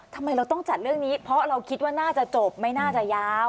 ทำไมเราต้องจัดเรื่องนี้เพราะเราคิดว่าน่าจะจบไม่น่าจะยาว